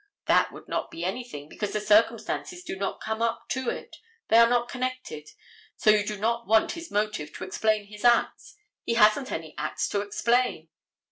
That would not be anything, because the circumstances do not come up to it, they are not connected. So you do not want his motive to explain his acts. He hasn't any acts to explain.